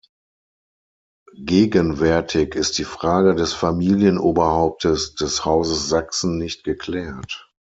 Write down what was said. Gegenwärtig ist die Frage des Familienoberhauptes des Hauses Sachsen nicht geklärt.